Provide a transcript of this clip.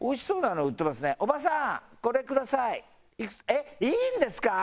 えっいいんですか？